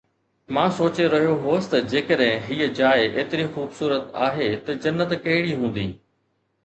مان سوچي رهيو هوس ته جيڪڏهن هيءَ جاءِ ايتري خوبصورت آهي ته جنت ڪهڙي هوندي